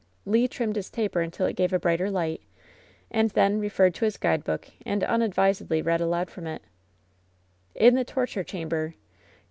Le trimmed his taper until it gave a brighter light, and then referred to his guidebook and unadvisedly read aloud from it: " ^In the Torture Chamber.